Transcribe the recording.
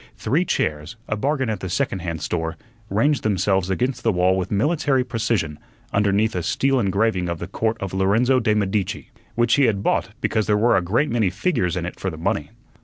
Three chairs, a bargain at the second hand store, ranged themselves against the wall with military precision underneath a steel engraving of the court of Lorenzo de' Medici, which he had bought because there were a great many figures in it for the money.